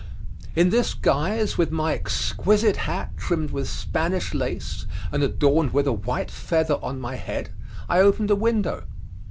In this guise, with my exquisite hat trimmed with Spanish lace and adorned with a white feather on my head, I opened a window.